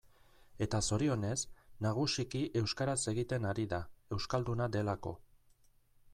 Eta zorionez, nagusiki euskaraz egiten ari da, euskalduna delako.